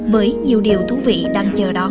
với nhiều điều thú vị đang chờ đón